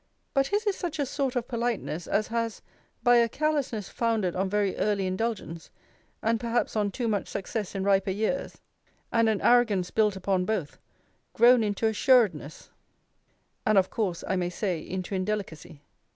But his is such a sort of politeness, as has, by a carelessness founded on very early indulgence, and perhaps on too much success in riper years, and an arrogance built upon both, grown into assuredness, and, of course, I may say, into indelicacy.